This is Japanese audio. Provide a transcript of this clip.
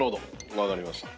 分かりました。